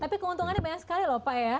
tapi keuntungannya banyak sekali lho pak ya